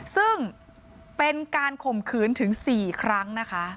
ซึ่งเป็นการข่มขืนถึง๔ครั้งนะคะ